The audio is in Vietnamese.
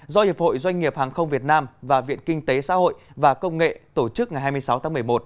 do hiệp hội doanh nghiệp hàng không việt nam và viện kinh tế xã hội và công nghệ tổ chức ngày hai mươi sáu tháng một mươi một